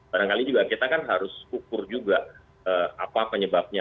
barangkali juga kita kan harus ukur juga apa penyebabnya